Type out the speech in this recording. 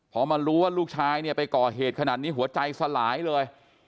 พอมารู้ว่าลูกชายเนี่ยไปก่อเหตุขนาดนี้หัวใจสลายเลย